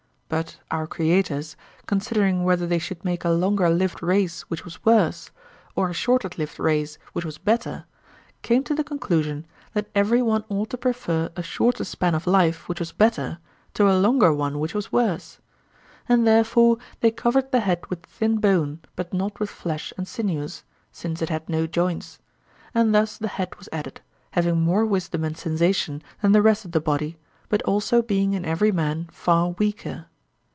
But our creators, considering whether they should make a longer lived race which was worse, or a shorter lived race which was better, came to the conclusion that every one ought to prefer a shorter span of life, which was better, to a longer one, which was worse; and therefore they covered the head with thin bone, but not with flesh and sinews, since it had no joints; and thus the head was added, having more wisdom and sensation than the rest of the body, but also being in every man far weaker.